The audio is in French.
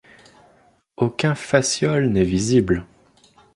Aucun fasciole n'est visible.